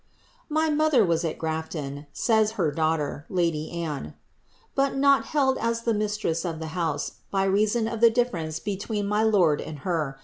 "My mother was at Grafton," says her daughter, lady Anne, "but not held as the mistress of tlif house, by reason of the difference between my lord and her.